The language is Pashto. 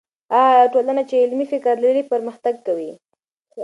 هغه ټولنه چې علمي فکر لري، پرمختګ کوي.